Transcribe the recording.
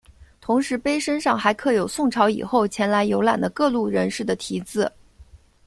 同时碑身上还刻有宋朝以后前来游览的各路人士的题字。